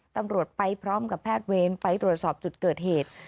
ตำรวจไปพร้อมกับแพทย์เวรไปตรวจสอบจุดเกิดเหตุ